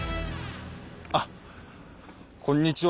あっこんにちは。